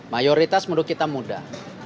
mayoritas menurut kita muda